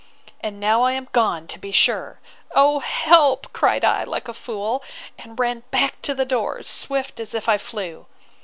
And now I am gone, to be sure! O help! cried I, like a fool, and ran back to the door, as swift as if I flew.